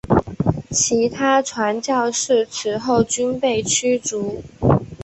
其他传教士此后均被驱逐。